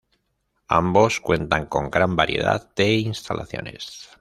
Ambos cuentan con gran variedad de instalaciones.